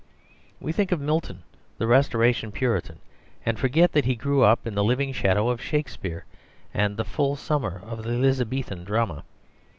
We think of Milton, the Restoration Puritan, and forget that he grew up in the living shadow of Shakespeare and the full summer of the Elizabethan drama.